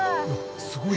すごい。